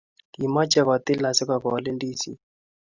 Kimochei kotil asikokol ndisik